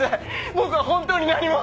僕は本当に何も。